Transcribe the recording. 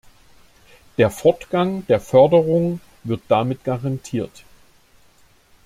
Der Fortgang der Förderung wird damit garantiert.